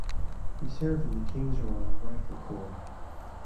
He served in the King's Royal Rifle Corps.